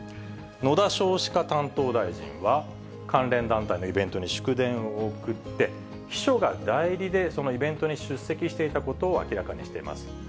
野田少子化担当大臣は、関連団体のイベントに祝電を送って、秘書が代理で、そのイベントに出席していたことを明らかにしています。